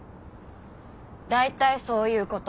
大体そういう事。